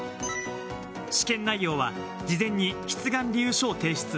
試験内容は、事前に出願理由書を提出。